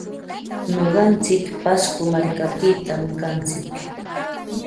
Nuqantsik pasco markapitam kantsik.